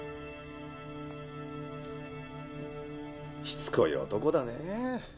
しつこい男だねぇ。